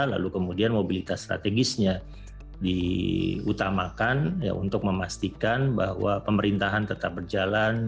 lalu kemudian mobilitas strategisnya diutamakan untuk memastikan bahwa pemerintahan tetap berjalan